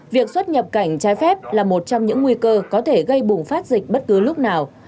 việc xuất nhập cảnh trái phép là một trong những nguy cơ có thể gây bùng phát dịch bất cứ lúc nào